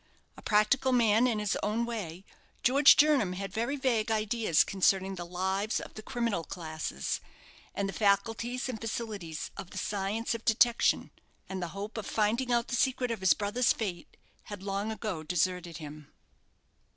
A practical man in his own way, George Jernam had very vague ideas concerning the lives of the criminal classes, and the faculties and facilities of the science of detection; and the hope of finding out the secret of his brother's fate had long ago deserted him.